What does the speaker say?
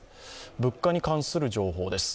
物価に関する情報です。